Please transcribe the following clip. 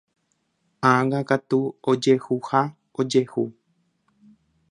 Ág̃akatu, ojehuha, ojehu.